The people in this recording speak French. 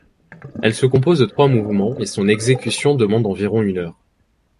Elle se compose de trois mouvements et son exécution demande environ une heure.